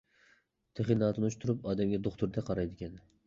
تېخى ناتونۇش تۇرۇپ ئادەمگە دوختۇردەك قارايدىكەن.